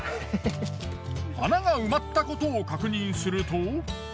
穴が埋まったことを確認すると。